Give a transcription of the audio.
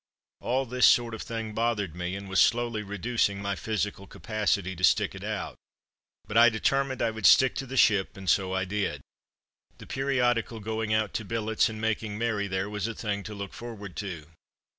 All this sort of thing bothered me, and was slowly reducing my physical capacity to "stick it out." But I determined I would stick to the ship, and so I did. The periodical going out to billets and making merry there was a thing to look forward to.